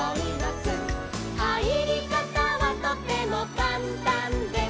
「はいりかたはとてもかんたんです」